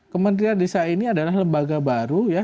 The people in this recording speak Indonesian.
kementerian desa ini adalah lembaga baru ya